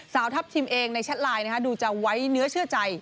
สาวทัพทิมเองในแชทไลน์ดูจะไว้เนื้อเชื่อใจ